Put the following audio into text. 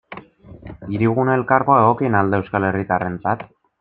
Hirigune Elkargoa egokiena al da euskal herritarrentzat?